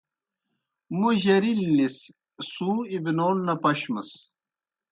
موْ جرِلنِس سُوں اِبنون نہ پشمِس۔